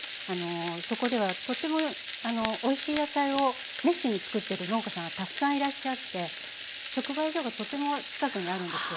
そこではとってもおいしい野菜を熱心に作ってる農家さんがたくさんいらっしゃって直売所がとても近くにあるんですよ。